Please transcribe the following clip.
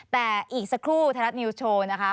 แต่อีกสักครู่ไทยรัฐนิวส์โชว์นะคะ